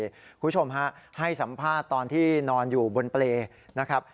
คุณผู้ชมฮะให้สัมภาษณ์ตอนที่นอนอยู่บนเปรย์นะครับ